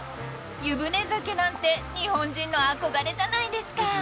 ［湯船酒なんて日本人の憧れじゃないですか］